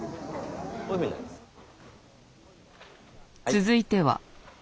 続いては。